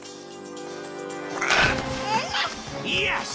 よし！